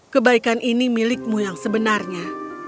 kebaikan ini milikmu yang sebenarnya